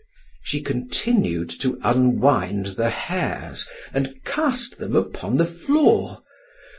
She continued to unwind the hairs and cast them upon the floor.